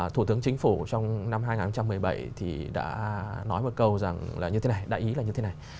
thủ tướng chính phủ trong năm hai nghìn một mươi bảy thì đã nói một câu rằng là như thế này đại ý là như thế này